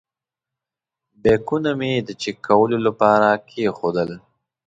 بیکونه مې د چېک کولو لپاره کېښودل.